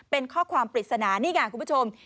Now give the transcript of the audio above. เป็นข้อความปริศนานี่ค่ะคุณผู้ชม